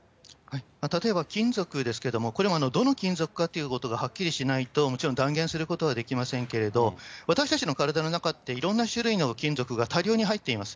例えば金属ですけども、これもどの金属かということがはっきりしないと、もちろん断言することはできませんけれど、私たちの体の中って、いろんな種類の金属が多量に入っています。